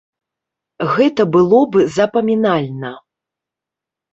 Гэта было б запамінальна.